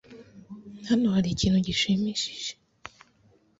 Hano hari ikintu gishimishije .